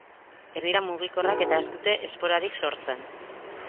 Ez dira mugikorrak eta ez dute esporarik sortzen.